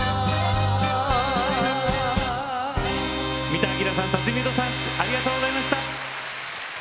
三田明さん辰巳ゆうとさんありがとうございました。